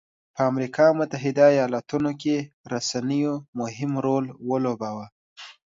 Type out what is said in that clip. په امریکا متحده ایالتونو کې رسنیو مهم رول ولوباوه.